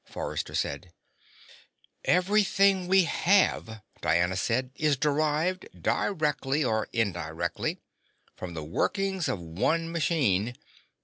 Forrester said. "Everything we have," Diana said, "is derived, directly or indirectly, from the workings of one machine.